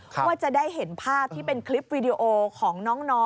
ว่าจะได้เห็นภาพที่เป็นคลิปวีดีโอของน้อง